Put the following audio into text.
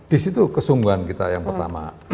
di situ kesungguhan kita yang pertama